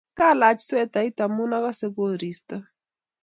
Kalach swetait amu akase koristo